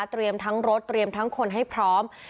ทั้งรถเตรียมทั้งคนให้พร้อม